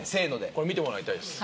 これ見てもらいたいです。